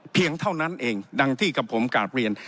เพียงเท่านั้นเองดังที่กับผมกราบเรียน